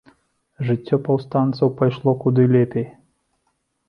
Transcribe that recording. Жыццё паўстанцаў пайшло куды лепей.